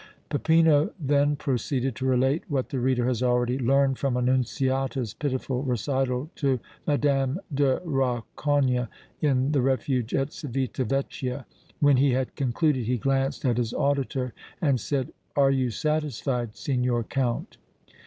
Peppino then proceeded to relate what the reader has already learned from Annunziata's pitiful recital to Mme. de Rancogne in the Refuge at Civita Vecchia. When he had concluded, he glanced at his auditor and said: "Are you satisfied, Signor Count?"